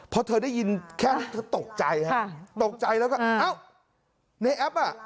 เพราะเธอได้ยินแค่ตกใจตกใจแล้วก็อ้าวในแอปอะ